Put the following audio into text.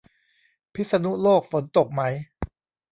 พิษณุโลกฝนตกไหม